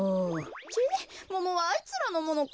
ちぇっモモはあいつらのものか。